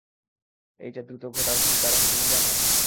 এইটা দ্রুত ঘটার কি কারণ তুমি জানো?